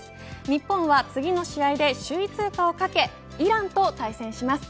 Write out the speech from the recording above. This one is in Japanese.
日本は次の試合で首位通過を懸けイランと対戦します。